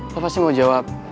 lo pasti mau jawab